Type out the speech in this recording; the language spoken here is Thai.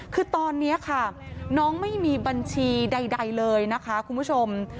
คือตอนนี้ค่ะน้องไม่มีบัญชีใดเลยนะคะคุณผู้ชม